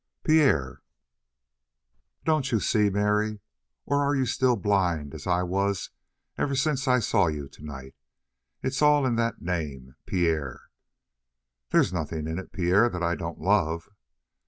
"Pierre!" "Don't you see, Mary, or are you still blind as I was ever since I saw you tonight? It's all in that name Pierre." "There's nothing in it, Pierre, that I don't love."